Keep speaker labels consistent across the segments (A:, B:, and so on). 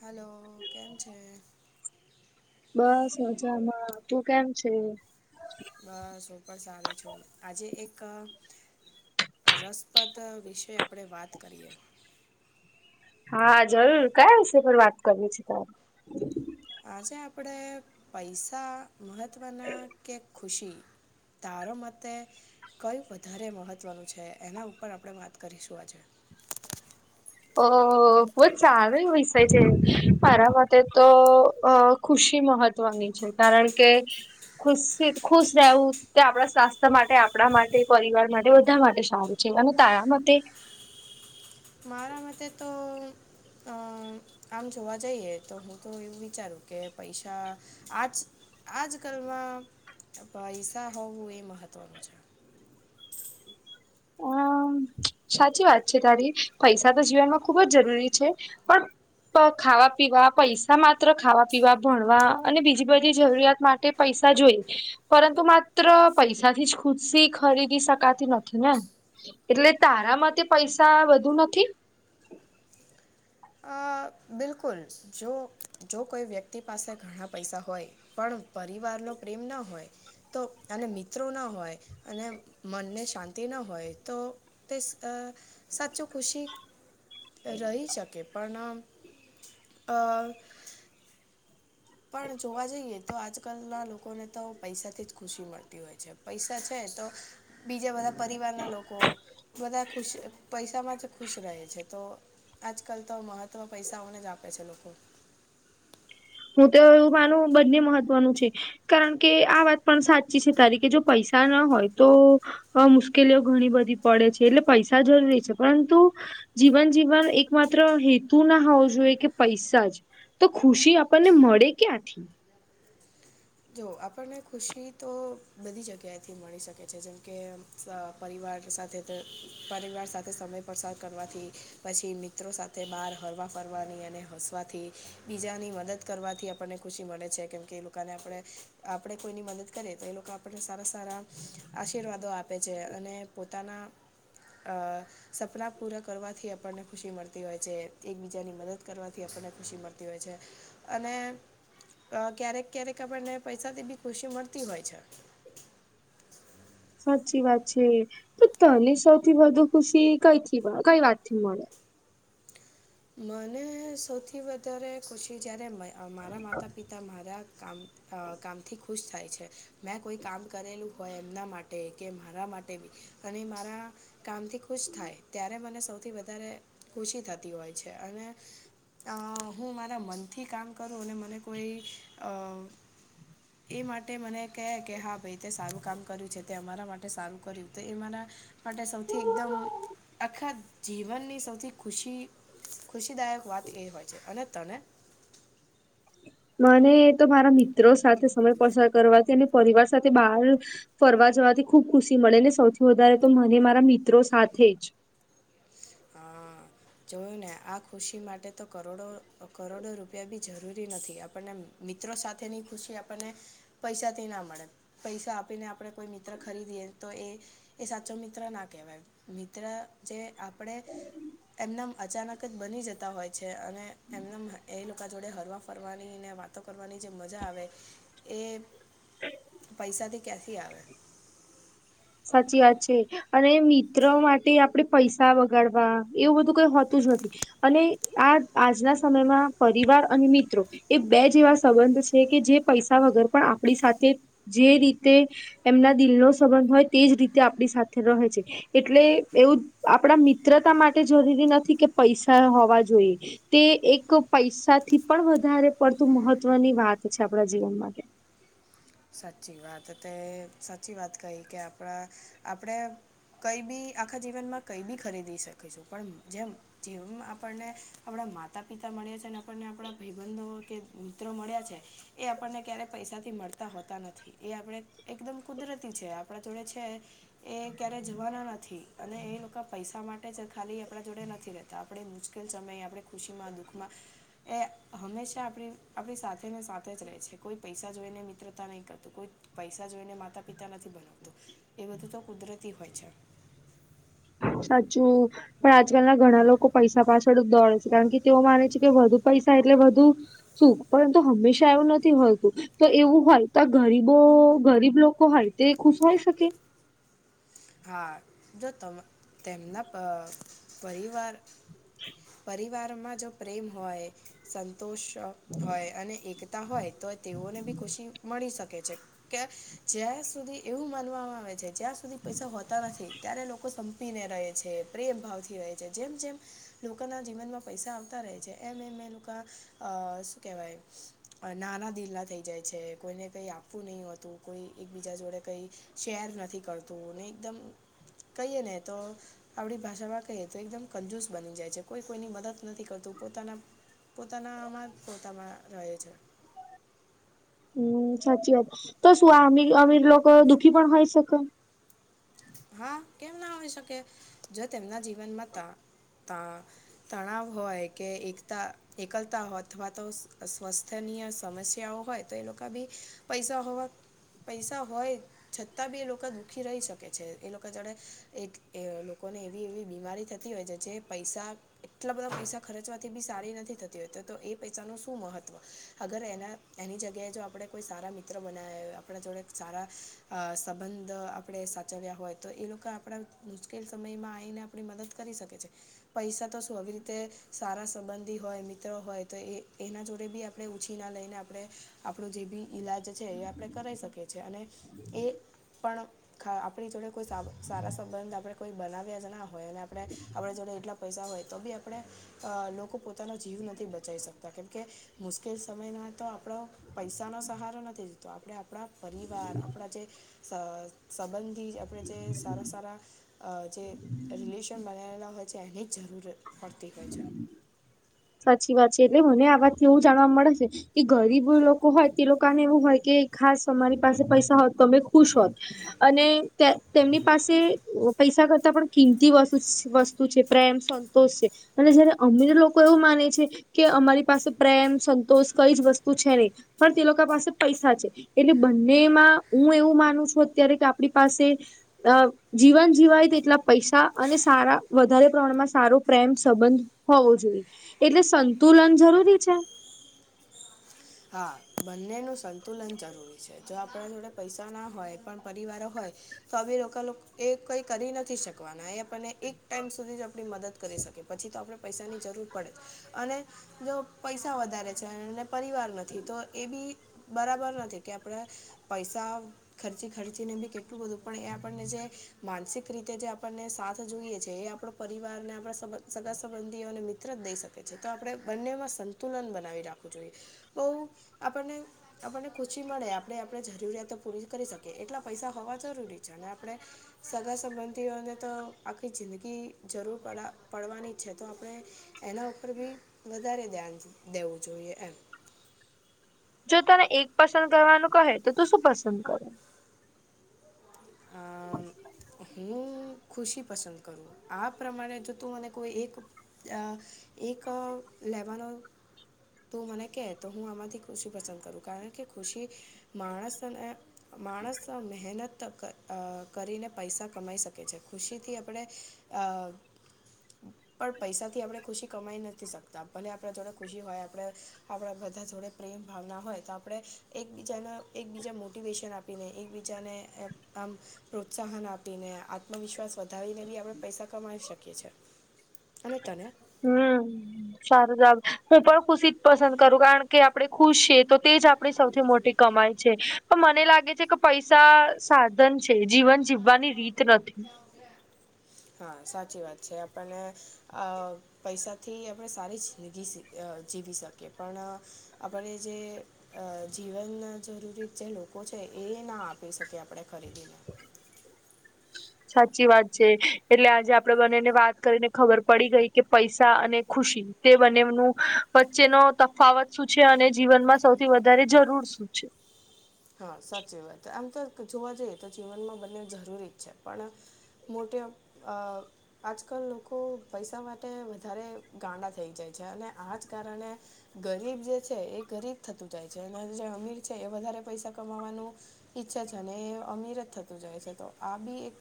A: Hello કેમ છે
B: બસ મજામાં તું કેમ છે
A: બસ હુ પણ સારી છું આજે એક રસપ્રદ વિશે આપણે વાત કરીએ
B: હા જરૂર કયા વિષય પર વાત કરવી છે તારે
A: આજે આપણે પૈસા મહત્ત્વના કે ખુશી તારો મતે કયું વધારે મહત્ત્વનું છે એના ઉપર આપણે વાત કરીશું આજે
B: ઓહહ અ બોજ સારુ વિસ્યે છે માટે મારાં માટે તો અ ખુશી મહ મહત્વ ની છે કારણ કે ખુશી ખુશ રહેવું તે આપણા સ્વાસ્થ્ય માટે આપણા માટે પરિવાર માટે બધા માટે સારું પછી અને તારા મતે
A: મારા માટેતે તો અ આમ જોવા જઈએ, તો હું તો એવું વિચારું કે પૈસા આજ આજકાલમાં પૈસા હોવું એ મહત્ત્વનું છે.
B: અમ
A: [inaudible]
B: સાચી વાત છે તારી પૈસા તો જીવનમાં ખુબ જ જરૂરી છે. પણ ખાવા પીવા પૈસા માત્ર ખાવા પીવા ભણવા અને બીજી બધી જરૂરિયાત માટે પૈસા જોઈ પરંતુ માત્ર પૈસા થી જ ખુશી ખરીદી શકાતી નથી ને, એટલે તારા માટે પૈસા વધુ નથી?
A: અ બિલકુલ જો જો કોઈ વ્યક્તિ પાસે ઘણા પૈસા હોય. પણ પરિવાર નો પ્રેમ ના હોય. તો અને મિત્રો ન હોય અને મનને શાંતિ ન હોય. તો તે સ સાચું ખુશી રહી શકે પણ અ પણ જોવા જઈએ તો આજકાલના લોકોને તો પૈસાથી જ ખુશી મળતી હોય છે પૈસા છે. તો બીજા બધા પરિવાર ના લોકો બધા ખુશ પૈસામાં ખુશ રહે છે તો આજકાલ તો મહત્વ પૈસાઓને જ આપે છે. લોકો
B: હું તો એવું માનું બંને મહત્વનું છે. કારણ કે આ વાત પણ સાચી છે, તારી કે જો પૈસા ના હોય તો અ મુશ્કેલીઓ ઘણી બધી પડે છે, એટલે પૈસા જરૂરી છે પરંતુ જીવન જીવવા એક માત્ર હેતુ ના હોવો જોઈએ કે પૈસા જ તો ખુશી આપ ને મળે ક્યાંથી
A: જો આપણને ખુશી તો બધી જગ્યાએથી મળી શકે છે, જેમકે પરિવાર સાથે પરિવાર સાથે સમય પસાર કરવાથી પછી મિત્રો સાથે બહાર હરવા ફરવાની અને હસવાથી બીજાની મદદ કરવાથી આપણને ખુશી મળે છે, કેમ કે એ લોકોને આપણે આપડે કોઈની મદદ કરીએ તો એ લોકો આપણને સારા સારા આશીર્વાદો આપે છે, અને પોતાના અ સપના પૂરા કરવાથી આપણને ખુશી મળતી હોય છે, એકબીજાની મદદ કરવાથી આપણને ખુશી મળતી હોય છે. અને ક્યારેક ક્યારેક આપણને પૈસાથી બી ખુશી મળતી હોય છે.
B: સાચી વાત છે, તો તને સૌથી વધુ ખુશી કઈથી કઈ વાત થી મળે?
A: મને સૌથી વધારે ખુશી જ્યારે મારા માતા પિતા તમારા કામ કામથી ખુશ થાય છે મેં કોઈ કામ કરેલું હોય એમના માટે માટે કે મારા માટે બી અને મારા કામથી ખુશ થાય ત્યારે મને સૌથી વધારે ખુશી થતી હોય છે, અને હું મારા મનથી કામ કરું અને મને કોઈ [inaudible] એ માટે મને કહે કે હા ભાઈ તે સારું કામ કર્યું છે, તે અમારા માટે સારું કર્યું તો એ મારા માટે સૌથી એકદમ આખા જીવનની સૌથી ખુશી ખુશીદાયક વાત એ હોય છે. અને તને
B: મને તો મારા મિત્રો સાથે સમય પસાર કરવાથી, અને પરિવાર સાથે બહાર ફરવા જવાથી ખુબ ખુશી મળે ને સૌથી વધારે તો મને મારા મિત્રો સાથે જ
A: હા જોયુંને આ ખુશી માટે તો કરોડો કરોડો રૂપિયા બી જરૂરી નથી આપણને મિત્રો સાથેની ખુશી આપણને પૈસાથી ના મળે પૈસા આપીને આપણે કોઈ મિત્ર ખરીદીએ તો એ એ સાચો મિત્ર ના કેહેવાય મિત્ર જે આપણે એમનામ અચાનક જ બની જતા હોય છે અને એમને એ લોકો જોડે હરવા ફરવાની ને વાતો કરવાની જે મજા આવે એ પૈસાથી ક્યાંથી આવે
B: સાચી વાત છે. અને મિત્ર માટે આપણેે પૈસા વગાડવા એવું બધું કઈ હોતું જ નથી અને આ આજના સમયમાં પરિવાર અને મિત્રો એ બે જેવા સંબંધ છે કે જે પૈસા વગર પણ આપણી સાથે જે રીતે એમના દિલનો સંબંધ હોય તેજ રીતે આપણી સાથે રહે છે. એટલે એવું આપડા મિત્રતા માટે જરૂરી નથી કે પૈસા હોવા જોઈએ તે એક પૈસાથી પણ વધારે પડતું મહત્વની વાત છે આપણા જીવન માટે
A: સાચી વાત તે સાચી વાત કહી કે આપણા આપણે કઈ બી આખા જીવનમાં કઈ બી ખરીદી શકેશું પણ જેમ જેવમ આપણને આપણા માતા પિતા મળએ છે ને આપને આપણા ભાઈબંધો કે મિત્રો મળ્યા છે એ આપણને ક્યારે પૈસાથી મળત તા હોતા નથી એ આપણે એકદમ કુદરતી છે આપણા જોડે છે. એ ક્યારે જવાના નથી અને એ લોકો પૈસા માટે જ ખાલી આપણા જોડે નથી રેતા તા આપણે મુશ્કેલ સમયે આપણે ખુશીમાં દુઃખમાં એ હંમેશા આપણી આપણી સાથે ને સાથે જ રહે છે કોઈ પૈસા જોઈને મિત્ર એવું ન કરતું કોઈ પૈસા જોઈને માતા પિતા નથી બનાવતું એ બધું તો કુદરતી હોય છે.
B: સાચું પણ આજકાલના ઘણા લોકો પૈસા પાછળ જ દોડે છે કારણ કે તેઓ માને છે કે વધુ પૈસા એટલે વધુ શું પરંતુ હંમેશા એવું નથી હોતું તો એવું હોય તો આ ગરીબો ગરીબ લોકો હોય તે ખુશ હોય શકે
A: હા જો તેમના પરિવાર પરિવારમાં જો પ્રેમ હોય સંતોષ હોય અને એકતા હોય તો તેઓને બી ખુશી મળી શકે છે. કે જ્યાં સુધી એવું માનવામાં આવે છે જ્યાં સુધી પૈસા હોતા નથી ત્યારે લોકો સંપીને રહે છે પ્રેમ ભાવ થી રહે છે જેમ જેમ લોકોના જીવનમાં પૈસા આવતા રહે છે એમ એમ એ લોકો અ શું કહેવાય નાના દિલના થઈ જાય છે કોઈને કંઈ આપવું નહીં હોતું કોઈ એકબીજા જોડે કંઈ શેર નથી કરતું ને એકદમ કહીએ ને તો આવડી ભાષામાં કહીએ તો એકદમ કંજુસ બની જાય છે કોઈ કોઈની મદદ નથી કરતું પોતાના પોતાનામાં જ પોતામાં રહે છે.
B: હમ સાચી વાત તો શું આમ અમીર લોકોક દુઃખી પણ હોય સકે
A: હા કેમ ના હોઈ શકે જો તેમના જીવનમાં ત ત તણાવ હોય કે એકતા એકલતા હોય અથવા તો સ્વાસ્થનીય સમસ્યાઓ હોય તો એ લોકો બી પૈસાવા પૈસા હોય છતાં બી એ લોકો દુઃખી રહી શકે કે છે એ લોકો જડે એક લોકોને એવી એવી બીમારી થતી હોય છે જે પૈસા એટલા બધા પૈસા ખર્ચવાથી બી સારી નથી થતી હોય તો તો એ પૈસા ન શું મહત્ત્વ અગર એના એની જગ્યાએ જો આપણે કોઈ સારા મિત્ર બનાવેય આપણા જોડે સારા સંબંધ આપણે ચવ્યા હોય તો એ લોકો આપણા મુશ્કેલ સમયમાં આવીને આપણી મદદ કરી શકે છે. પૈસા તો શું આવી રીતે સારા સંબંધી હોય મિત્રો હોય તો એ એના જોડે બી આપ આપણે ઉછી ના લઈને આપણે આપણો જે બી ઈલાજ છે એ આપણે કરાવી શકીએ છ છેીએ અને એ પણ ખા આપ [unintelligible] આપણી જોડે કોઈ સારા સંબંધ આપણે કોઈ બનાવ્યા જ ના હોય અને આપણે આપણે જોડે એટલા પૈસા હોય તો બી આપણે અ લોકો પોતાનો જીવ નથી બચાવી શકતા કેમકે મુશ્કેલ સમયમાં તો આપણો પૈસાનોો સહારો નથી દીતો આપણે આપણા પરિવાર આપણા જે સ સંબંધ થી આપણે જે સારા સારા અ જે રિલેશન બનાવેલા હોય છે એની જ જરૂર પડતી હોય છે.
B: સાચી વાત છે એટલે મને આ વાતથી એવું જાણવા મળે છે. કે ગરીબ લોકો હોય તે લોકોને એવું હોય કે ખાસ અમારી પાસે પૈસા હોત તો અમે ખુશ હોત અને તે તેમની પાસે પૈસા કરતાં પણ કિંમતી વસ્તુ છે પ્રેમ સંતોષ છે. અને જયારે અમીર લોકો એવું માને છે કે અમારી પાસે પ્રેમ, સંતોષ કઈ જ વસ્તુ છે નહી પણ તે લોકો પાસે પૈસા છે. એટલે બંનેમાં હું એવું માનું છું અત્યારે કે આપણી પાસે અ જીવન જીવાય તેટલા પૈસા અને સારા વધારે પ્રમાણમાં સારો પ્રેમ સંબંધ હોવો જોઈએ એટલે સંતુલન જરૂરી છે.
A: હા બંનેનું સંતુલન જરૂરી છે જો આપણે જોડે પૈસા ના હોય પણ પરિવારો હોય તોી લોકો એ કઈ કરી નથી શકવાના એ આપને એક ટાઈમ સુધી જ આપણી મદદ કરી શકી પછી તો આપણે પૈસાની જરૂર પડે અને જો પૈસા વધારે છે અને પરિવાર ન થી તો એ બી બરાબર નથી કે આપણે પૈસા ખર્ચી ખર્ચી ને બી કેટલું બધું પણ એ આપણને જે માનસિક રીતે જે આપણને સાથ જોઈએ છે એ આપડો પરિવાર ને આપણા સબ સગા સંબંધીઓને મિત્ર જ દઈ શકે છે તો આપણે બંનેમાં સં તુલન બનાવી રાખવું જોઈએ બહુ આપણને આપણને ખુશી મળે આપણે આપણે જરૂરિયાતો પૂરી કરી શકીએ એટલા પૈસા હોવા જરૂરી છે અને આપણે સગા સંબંધીઓને તો આખી જિંદગી જરૂર પ પડવાની છે તો આપણે એના ઉપર બી વધારે ધ્યાન દેવું જોઈએ એમ
B: જો તને એક પસંદ કરવાનું કહે તો તું શું પસંદ કરે?
A: આ હું ખુશી પસંદ કરું આ પ્રમાણે જો તું મને કોઈ એક એક લેવાનોનો તો મને કે તો હું આમાંથી ખુશી પસંદ કરું કારણ કે ખુશી માણસને માણસ મહેનત અ કરીને પૈસા કમાઈ શકે છે, પરંતુ ખુશી આપણે અ પણ પૈસાથી આપણે ખુશી કમાઈ નથી શકતા, ભલે આપણા જોડે ખુશી હોય. આપણા બધા જોડે પ્રેમભાવના હોય તો આપણે એકબીજાના એકબીજા મોટીવેશન આપ પીને એકબીજાને આમ પ્રોત્સાહન આપીને આત્મવિશ્વાસ વધારીને આપણે પૈસા કમાઈ શકીએ છીએ. અને તને
B: હમ સારું જવાબ, હું પણ ખુશી જ પસંદ કરું છું, કારણ કે આપણે ખુશ છીએ તો એ જ આપણી સૌથી મોટી કમાઈ છે. મને લાગે છે કે પૈસા સાધન છે, જીવન જીવવાની રીત નથી.
A: હા, સાચી વાત છે. આપણને અ પૈસાથી આપણે સારી જિંદગી સી જીવી શકીએ, પણ આપણે જે અ જીવનમાં જરૂરી જે લોકો છે, એ ના આપી શકે ખરીદીને [inaudible]
B: સાચી વાત છે. એટલે આજે આપણે બંનેને વાત કરીને ખબર પડી ગઈ કે પૈસા અને ખુશી એ બંનેવનો વચ્ચેનો તફાવત શું છે અને જીવનમાં સૌથી વધારે જરૂર શું છે.
A: હા, સાચી વાત છે. આમ તો જોવા જઈએ તો જીવનમાં બંને જરૂરી છે, પણ મોટે અ આજકાલ લોકો પૈસા માટે વધારે ગાંડા થઈ જાય છે, અને આ જ કારણે ગરીબ જે છે એ ગરીબ થતો જાય છે અને જે અમીર છે એ વધારે પૈસા કમાવાનો ઈચ્છે છે અને અમીર જ થતો જાય છે તો આબી એક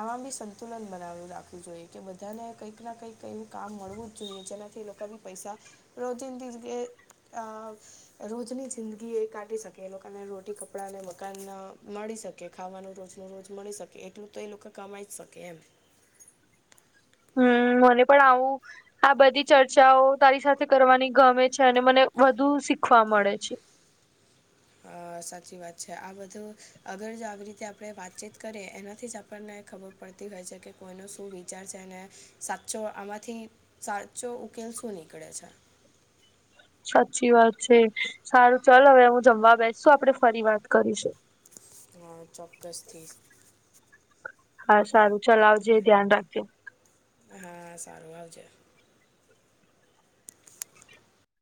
A: આમાં બી સંતુલન બનાવી રાખવું જોઈએ. કે બધાને કંઈક ને કંઈક કઈ કામ મળવું જ જોઈએ જેનાથી લો પૈસા રોજિંદી જ કે અ રોજની જિંદગી એ કાઢી શકે એલોકાને રોટી, કપડાં અને મકાન મળી શકે ખાવાનું રોજ રોજ મળી શકે એટલું તો એ લોકો કમાઈ જ શકે એમ
B: હા, મને પણ આવુ આ બધી ચર્ચાઓ તારી સાથે કરવાની ગમે છે, અને મને વધુ શીખવા મળે છે.
A: હા, સાચી વાત છે. આ બધું અગર જો આવી રીતે આપણે વાતચીત કરીએ એનાથી જ આ પણને ખબર પડતી હોય છે કે કોનો શું વિચાર છે ને સાચો આમાંથી સાચો ઉકેલ શું નીકળે છે.
B: સાચી વાત છે. સારું, ચાલ હવે હું જમવા બેસું. આપણે ફરીથી વાત કરીશું.
A: હા, ચોક્કસ થી.
B: હા, સારું. ચાલ, આવજે ધ્યાન રાખજે.
A: હા, સારું. આવજે.